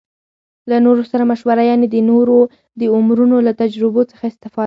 له نورو سره مشوره يعنې د نورو د عمرونو له تجربو څخه استفاده